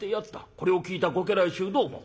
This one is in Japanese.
これを聞いたご家来衆どう思う？